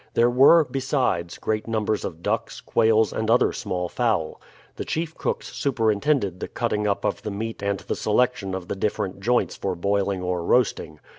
There were, besides, great numbers of ducks, quails, and other small fowl. The chief cooks superintended the cutting up of the meat and the selection of the different joints for boiling or roasting.